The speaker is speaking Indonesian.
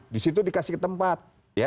disitu dikasih tempat